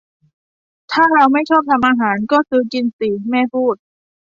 ถ้าเราไม่ชอบทำอาหาร ก็ซื้อกินสิ แม่พูด